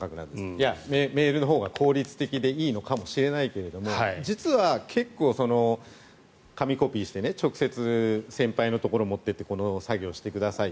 メールのほうが効率的でいいのかもしれないけれども実は結構、紙をコピーして直接先輩のところに持って行ってこの作業してください